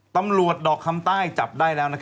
ตำรวจดอกคำใต้จับได้แล้ว